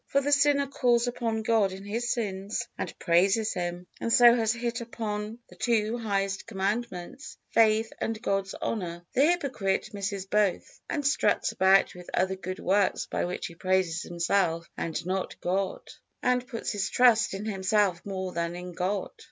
For the sinner calls upon God in his sins, and praises Him, and so has hit upon the two highest Commandments, faith and God's honor. The hypocrite misses both and struts about with other good works by which he praises himself and not God, and puts his trust in himself more than in God.